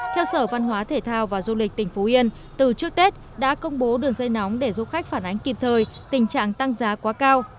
theo sở văn hóa thể thao và du lịch tỉnh phú yên từ trước tết đã công bố đường dây nóng để du khách phản ánh kịp thời tình trạng tăng giá quá cao